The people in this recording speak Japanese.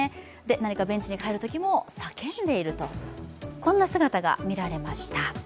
何かベンチに帰るときも叫んでいるという、こんな姿が見られました。